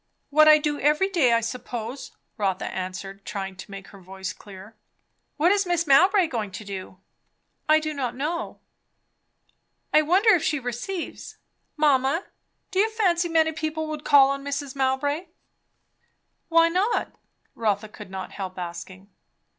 What I do every day, I suppose," Rotha answered, trying to make her voice clear. "What is Mrs. Mowbray going to do?" "I do not know." "I wonder if she receives? Mamma, do you fancy many people would call on Mrs. Mowbray?" "Why not?" Rotha could not help asking.